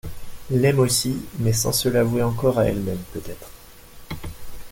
L’aime aussi, mais sans se l’avouer encore à elle-même, peut-être…